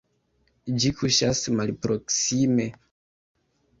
Ĝi kuŝas malproksime.